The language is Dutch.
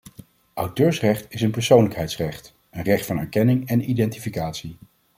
Auteursrecht is een persoonlijkheidsrecht, een recht van erkenning en identificatie.